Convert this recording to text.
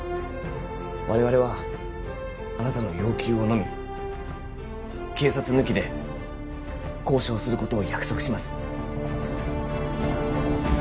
我々はあなたの要求をのみ警察抜きで交渉することを約束します